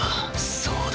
そうだ。